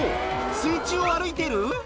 水中を歩いている？